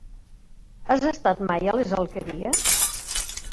Has estat mai a les Alqueries?